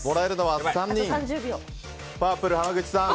パープル、濱口さん。